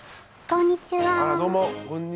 こんにちは。